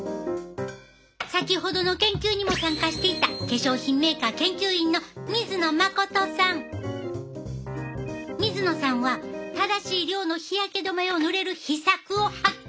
先ほどの研究にも参加していた水野さんは正しい量の日焼け止めを塗れる秘策を発見したんや！